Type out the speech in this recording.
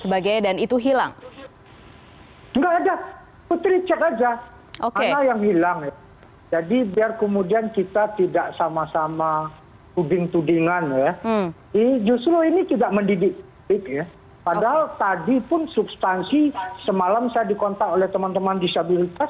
sebagainya dan itu hilang enggak ada putri cek aja oke yang hilang jadi biar kemudian kita tidak sama sama tuding tudingan ya justru ini tidak mendidik padahal tadi pun substansi semalam saya dikontak oleh teman teman di sabyarika